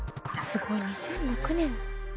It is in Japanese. すごい２００６年。